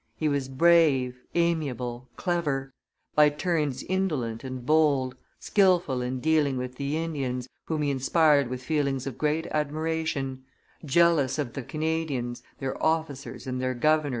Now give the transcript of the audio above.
He was brave, amiable, clever; by turns indolent and bold; skilful in dealing with the Indians, whom he inspired with feelings of great admiration; jealous of the Canadians, their officers and their governor, M.